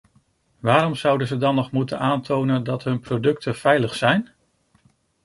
Waarom zouden ze dan nog moeten aantonen dat hun producten veilig zijn?